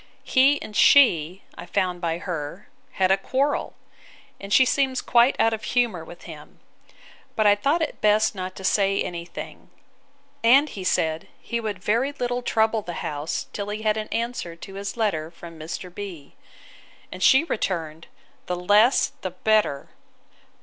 He and she, I found by her, had a quarrel: and she seems quite out of humour with him: but I thought it best not to say any thing: and he said, he would very little trouble the house till he had an answer to his letter from Mr. B——. And she returned, The less, the better.